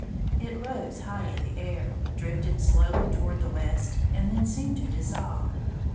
It rose high in the air, drifted slowly toward the west, and then seemed to dissolve.